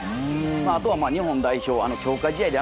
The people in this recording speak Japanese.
あとは日本代表、強化試合で